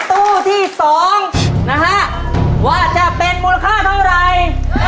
ตู้ที่๒นะฮะว่าจะเป็นมูลค่าเท่าไหร่